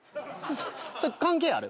それ関係ある？